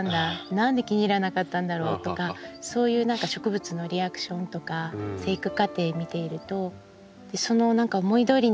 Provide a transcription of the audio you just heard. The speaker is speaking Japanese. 何で気に入らなかったんだろうとかそういう何か植物のリアクションとか生育過程見ているとその思いどおりにいかないのが面白い。